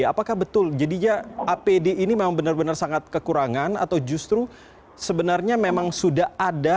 apakah betul jadinya apd ini memang benar benar sangat kekurangan atau justru sebenarnya memang sudah ada